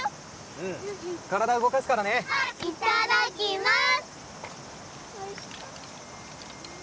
うん体動かすからねいただきます！